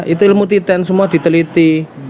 itu ilmu titen semua diteliti